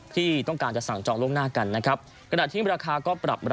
ที่ต้องการจะสั่งจองล่วงหน้ากันนะครับ